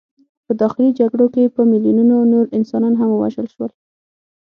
په داخلي جګړو کې په میلیونونو نور انسانان هم ووژل شول.